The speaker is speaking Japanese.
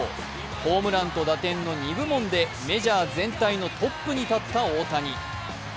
ホームランと打点の２部門でメジャー全体のトップに立った大谷。